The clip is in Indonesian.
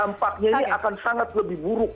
dampaknya ini akan sangat lebih buruk